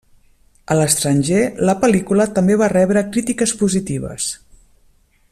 A l'estranger, la pel·lícula també va rebre crítiques positives.